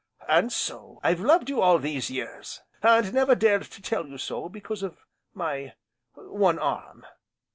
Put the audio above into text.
_ And so I've loved you all these years, and never dared to tell you so, because of my one arm."